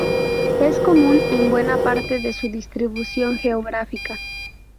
Es común en buena parte de su distribución geográfica.